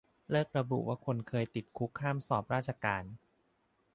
เลิกระบุว่าคนเคยติดคุกห้ามสอบราชการ